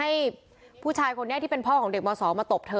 ให้ผู้ชายคนนี้ที่เป็นพ่อของเด็กม๒มาตบเธอ